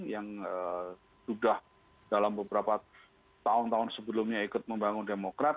yang sudah dalam beberapa tahun tahun sebelumnya ikut membangun demokrat